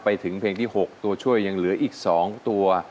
ไปถึงเพลงที่๖ตัวช่วยยังเหลืออีก๒ตัว